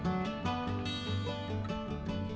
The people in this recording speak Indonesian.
selama tiga jam